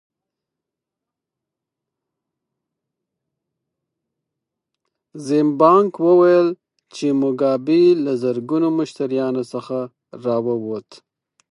زیمبانک وویل چې موګابي له زرګونو مشتریانو څخه راووت.